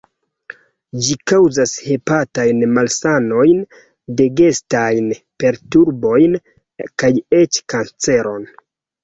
Ĝi kaŭzas hepatajn malsanojn, digestajn perturbojn kaj eĉ kanceron.